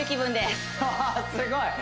すごい！